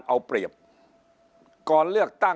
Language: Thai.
ฝ่ายชั้น